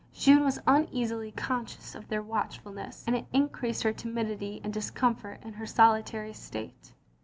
Jeanne was uneasily conscious of their watch fulness, and it increased her timidity and dis comfort in her solitary state.